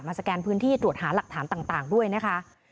สแกนพื้นที่ตรวจหาหลักฐานต่างด้วยนะคะ